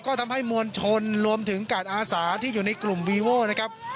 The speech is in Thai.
ก็ทำให้มวลชนรวมถึงกาดอาสาที่อยู่ในกลุ่มวีโว่นะครับ